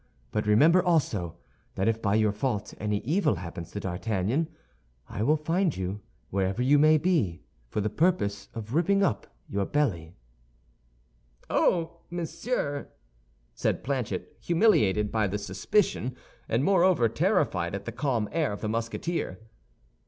But remember, also, that if by your fault any evil happens to D'Artagnan, I will find you, wherever you may be, for the purpose of ripping up your belly." "Oh, monsieur!" said Planchet, humiliated by the suspicion, and moreover, terrified at the calm air of the Musketeer.